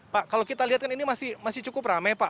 pak kalau kita lihat ini masih cukup rame pak